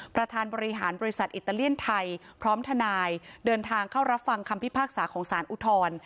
ประธานบริหารบริษัทอิตาเลียนไทยพร้อมทนายเดินทางเข้ารับฟังคำพิพากษาของสารอุทธรณ์